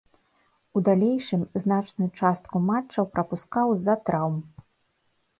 У далейшым значную частку матчаў прапускаў з-за траўм.